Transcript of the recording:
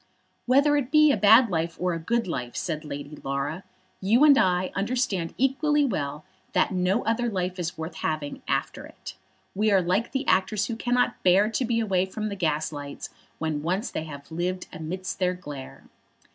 "Whether it be a bad life or a good life," said Lady Laura, "you and I understand equally well that no other life is worth having after it. We are like the actors, who cannot bear to be away from the gaslights when once they have lived amidst their glare."